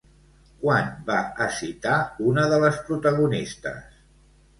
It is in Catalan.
Quan va hesitar una de les protagonistes?